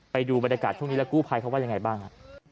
ไปดูบรรยากาศช่วงนี้แล้วกู้ภัยเขาว่ายังไงบ้างฮะ